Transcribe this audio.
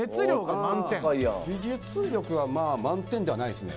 技術力は満点ではないですね。